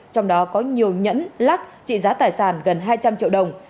trong đó có nhiều nhẫn lắc lắc trị giá tài sản gần hai trăm linh triệu đồng